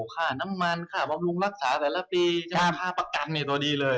ค่าน้ำมันค่าบำรุงรักษาแต่ละปีค่าประกันเนี่ยตัวดีเลย